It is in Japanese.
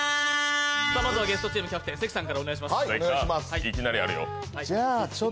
まずはゲストチームキャプテン、関さんからお願いします。